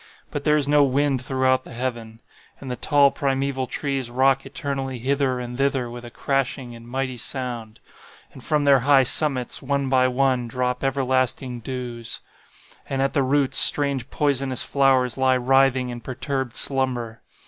But there is no wind throughout the heaven. And the tall primeval trees rock eternally hither and thither with a crashing and mighty sound. And from their high summits, one by one, drop everlasting dews. And at the roots strange poisonous flowers lie writhing in perturbed slumber.